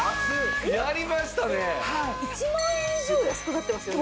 １万円以上安くなってますよね。